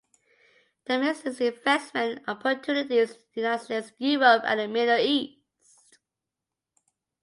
Tamares seeks investment opportunities in the United States, Europe and the Middle East.